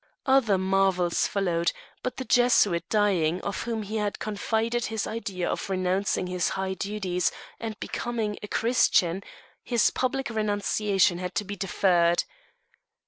Other marvels followed; but the Jesuit dying to whom he had confided his idea of renouncing his high duties and becoming a Christian, his public renunciation had to be deferred.